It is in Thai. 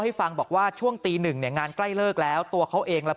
ให้ฟังบอกว่าช่วงตีหนึ่งเนี่ยงานใกล้เลิกแล้วตัวเขาเองและ